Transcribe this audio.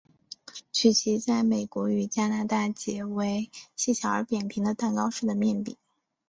曲奇在美国与加拿大解为细小而扁平的蛋糕式的面饼。